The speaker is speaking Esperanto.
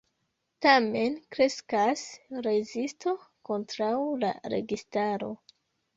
Tamen kreskas rezisto kontraŭ la registaro.